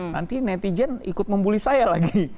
nanti netizen ikut membuli saya lagi